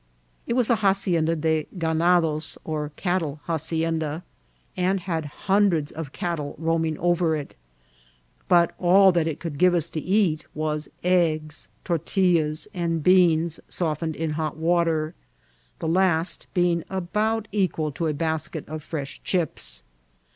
It was a hacienda de ganados, or cattle hacienda, and had hundreds of cattle roaming over it ; but all that it could give us to eat was eggs, tortillas, and beans softened in hot water ; the last being about equal to a basket of fresh chips.